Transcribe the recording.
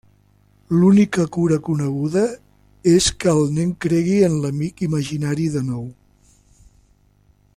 L'única cura coneguda és que el nen cregui en l'amic imaginari de nou.